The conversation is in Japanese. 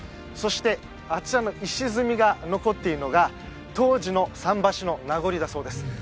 そしてあちらの石積みが残っているのが当時の桟橋の名残だそうです